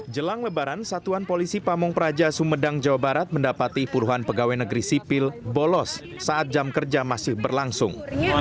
jelang lebaran satuan polisi pamung praja sumedang jawa barat mendapati puluhan pegawai negeri sipil bolos saat jam kerja masih berlangsung